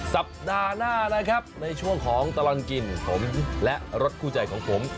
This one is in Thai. สัปดาห์หน้านะครับในช่วงของตลอดกินผมและรถคู่ใจของผม